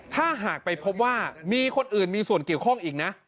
ถ้าหากไปพบว่ามีคนอื่นมีส่วนเกี่ยวข้องอีกนะ